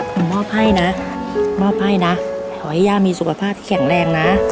ขอมอบให้นะขอให้ย่ามีสุขภาพที่แข็งแรงนะ